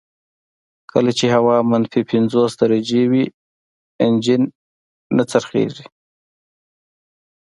کله چې هوا منفي پنځوس درجې وي انجن نه څرخیږي